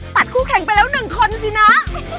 ตัดคู่แข่งไปแล้วหนึ่งคนสินะ